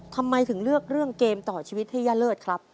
ทำไมถึงเลือกเรื่องเกมต่อชีวิตให้ย่าเลิศครับ